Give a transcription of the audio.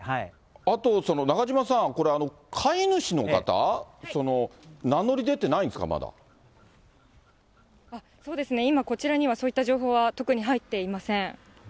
あと中島さん、これ、飼い主の方、そうですね、今、こちらにはそういった情報は特に入っていません。